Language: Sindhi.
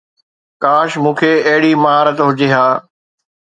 ڪاش مون کي اهڙي مهارت هجي ها